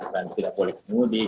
dan tidak boleh mudik